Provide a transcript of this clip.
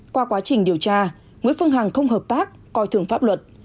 qua quá trình điều tra nguyễn phương hằng không hợp tác coi thường pháp luật